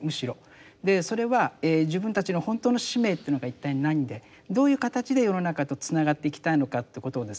でそれは自分たちの本当の使命というのが一体何でどういう形で世の中とつながっていきたいのかということをですね